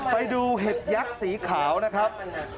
ไปดูเห็ดยักษ์สีขาวนะครับ